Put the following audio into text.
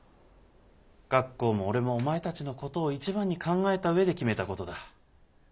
学校も俺もお前たちのことを一番に考えた上で決めたことだ。